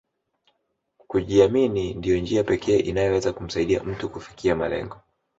Kujiamini ndio njia pekee inayoweza kumsaidia mtu kufikia malengo